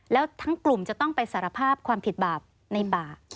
แล้วทั้งกลุ่มจะต้องไปสารภาพความผิดบาปในป่า